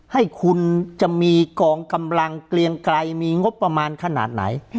ให้คุณจะมีกองกำลังเกลียงไกรมีงบประมาณขนาดไหน